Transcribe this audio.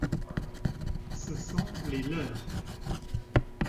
ce sont les leurs.